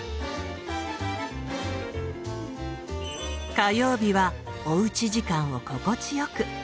火曜日はおうち時間を心地よく。